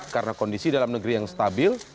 karena kondisi dalam negeri yang stabil